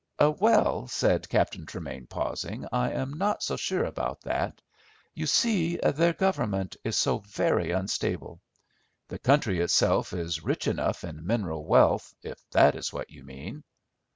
"Well," said Captain Tremain, pausing, "I am not so sure about that. You see, their Government is so very unstable. The country itself is rich enough in mineral wealth, if that is what you mean."